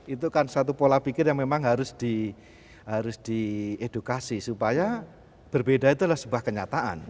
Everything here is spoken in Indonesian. itu kan satu pola pikir yang memang harus diedukasi supaya berbeda itu adalah sebuah kenyataan